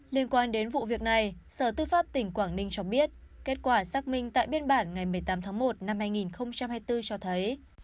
liên quan đến vụ việc này sở tư pháp tỉnh quảng ninh cho biết kết quả xác minh tại biên bản ngày một mươi tám tháng một năm hai nghìn hai mươi bốn cho thấy